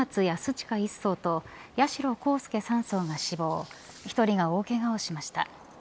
親１曹と八代航佑３曹が死亡１人が大けがをしました。